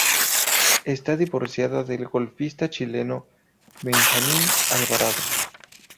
Está divorciada del golfista chileno, Benjamín Alvarado.